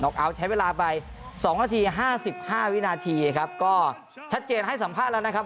น็อกอัลใช้เวลาไปสองนาทีห้าสิบห้าวินาทีครับก็ชัดเจนให้สัมภาษณ์แล้วนะครับ